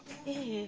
ええ。